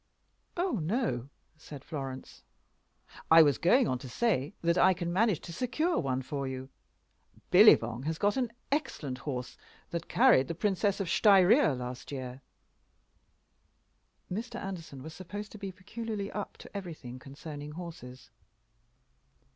"Oh no," said Florence. "I was going on to say that I can manage to secure one for you. Billibong has got an excellent horse that carried the Princess of Styria last year." Mr. Anderson was supposed to be peculiarly up to everything concerning horses.